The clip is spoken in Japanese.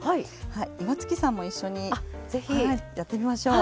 岩槻さんも一緒にやってみましょう。